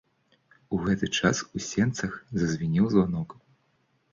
У гэты час у сенцах зазвінеў званок.